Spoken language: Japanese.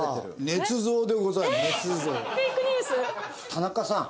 田中さん